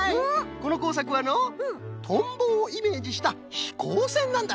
このこうさくはのとんぼをイメージしたひこうせんなんだそうじゃよ。